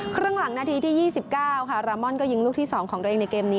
ครึ่งหลังนาทีที่ยี่สิบเก้าค่ะลาม่อนก็ยิงลูกที่สองของตัวเองในเกมนี้